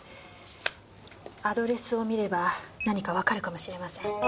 アドレスを見れば何かわかるかもしれません。